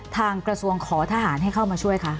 ทางกระทรวงขอทหารให้เข้ามาช่วยคะ